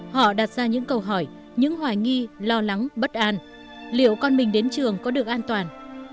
họ đặt ra những câu hỏi những hoài nghi lo lắng bất an liệu con mình đến trường có được an toàn